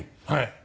はい。